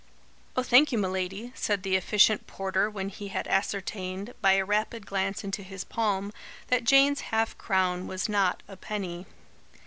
"Oh, thank you, m'lady," said the efficient porter when he had ascertained, by a rapid glance into his palm, that Jane's half crown was not a penny.